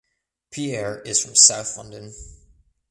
Pierre is from South London.